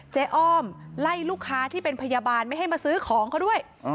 อ้อมไล่ลูกค้าที่เป็นพยาบาลไม่ให้มาซื้อของเขาด้วย